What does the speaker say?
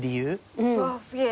うわすげえ。